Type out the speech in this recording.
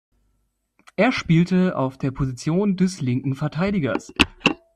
Er spielte auf der Position des linken Verteidigers.